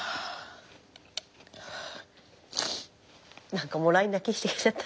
何かもらい泣きしてきちゃった。